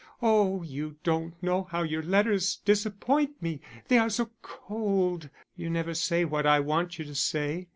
Oh, you don't know how your letters disappoint me, they are so cold; you never say what I want you to say.